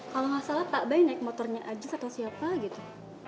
kalau nggak salah pak bay naik motornya aja atau siapa gitu